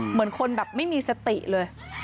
เหมือนคนแบบไม่มีสติเลย